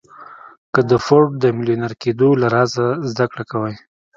که د فورډ د ميليونر کېدو له رازه زده کړه کوئ.